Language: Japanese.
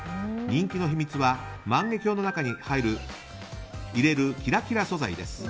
人気の秘密は万華鏡の中に入れるキラキラ素材です。